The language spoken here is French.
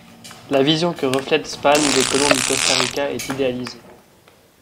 La vision que reflète Span des colons du Costa Rica est idéalisée.